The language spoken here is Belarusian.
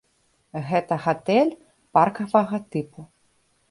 Гэта гатэль паркавага тыпу.